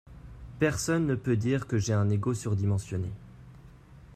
Personne ne peut dire que j’ai un ego surdimensionné.